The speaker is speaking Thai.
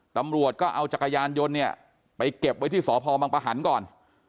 ตำรวจก็เอาจักรยานยนต์เนี่ยไปเก็บไว้ที่สพบังปะหันก่อน